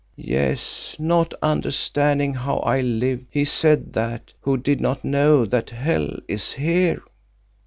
Yes, not understanding how I lived, he said that, who did not know that hell is here.